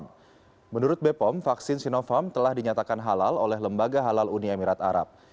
menurut bepom vaksin sinovac telah dinyatakan halal oleh lembaga halal uni emirat arab